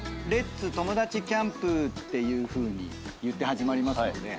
’ｓ友達キャンプっていうふうに言って始まりますのでね。